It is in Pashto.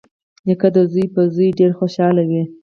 نیکه د زوی په زوی ډېر خوشحال وي.